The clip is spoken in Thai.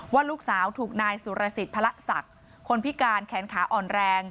ว่าลูกสาวถูกนายสุรสิทธิ์พระศักดิ์คนพิการแขนขาอ่อนแรง